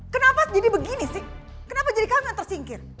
kenapa jadi begini sih kenapa jadi kamu yang tersingkir